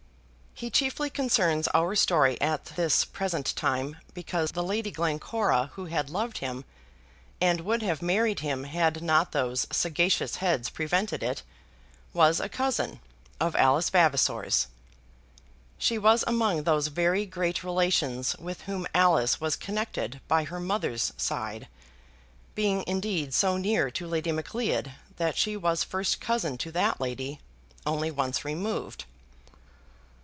He chiefly concerns our story at this present time because the Lady Glencora who had loved him, and would have married him had not those sagacious heads prevented it, was a cousin of Alice Vavasor's. She was among those very great relations with whom Alice was connected by her mother's side, being indeed so near to Lady Macleod, that she was first cousin to that lady, only once removed.